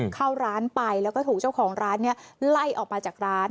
เข้าร้านไปแล้วก็ถูกเจ้าของร้านไล่ออกมาจากร้าน